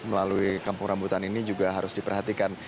melalui kampung rambutan ini juga harus diperhatikan